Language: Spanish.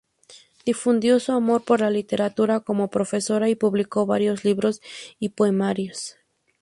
Difundió su amor por la literatura como profesora y publicó varios libros y poemarios.